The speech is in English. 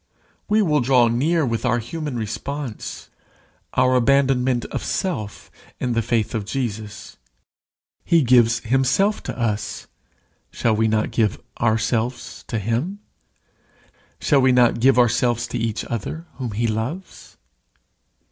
We will draw near with our human response, our abandonment of self in the faith of Jesus. He gives himself to us shall not we give ourselves to him? Shall we not give ourselves to each other whom he loves?